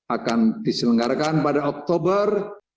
akan diselenggarakan pada oktober